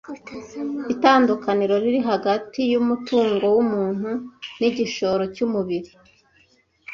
itandukaniro riri hagati yumutungo wumuntu nigishoro cyumubiri